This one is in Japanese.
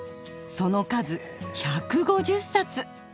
その数１５０冊！